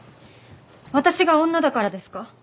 私が女だからですか？